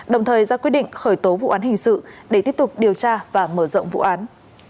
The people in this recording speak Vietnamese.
đồng thời ra quyết định khởi tố vụ án hình sự để tiếp tục điều tra và mở rộng vụ án